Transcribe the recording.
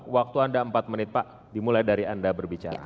waktu anda empat menit pak dimulai dari anda berbicara